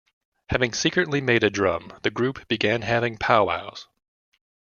Having secretly made a drum, the group began having powwows.